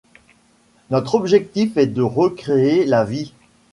Notre objectif est de recréer la vie.